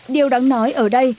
điều đáng nói ở đây